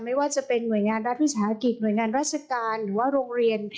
ไม่ว่าจะเป็นหน่วยงานรัฐวิสาหกิจหน่วยงานราชการหรือว่าโรงเรียน